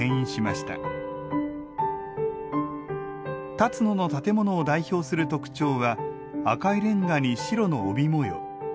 辰野の建物を代表する特徴は赤いレンガに白の帯模様。